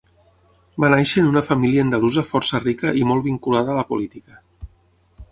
Va néixer en una família andalusa força rica i molt vinculada a la política.